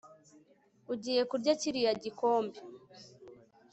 Ugiye kurya kiriya gikombe